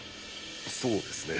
そうですね